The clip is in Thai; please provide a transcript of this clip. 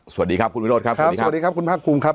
สวัสดีครับคุณวิโรธครับครับสวัสดีครับคุณภาคภูมิครับ